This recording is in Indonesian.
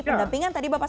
pendampingan tadi bapak